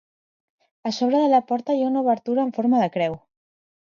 A sobre de la porta hi ha una obertura amb forma de creu.